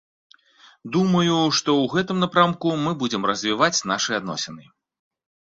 Думаю, што ў гэтым напрамку мы будзем развіваць нашы адносіны.